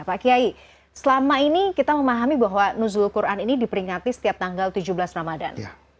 pak kiai selama ini kita memahami bahwa nuzul quran ini diperingati setiap tanggal tujuh belas ramadan